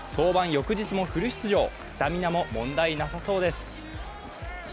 翌日もフル出場、スタミナも問題なさそうです。